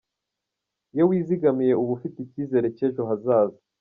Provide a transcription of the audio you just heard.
Iyo wizigamiye uba ufite icyizere cy’ejo hazaza.